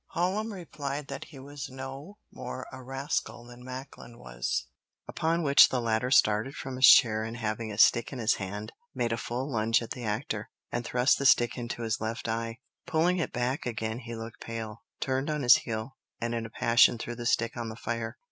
Hallam replied that he was no more a rascal than Macklin was; upon which the latter "started from his chair, and having a stick in his hand, made a full lunge at the actor, and thrust the stick into his left eye;" pulling it back again he looked pale, turned on his heel, and in a passion threw the stick on the fire.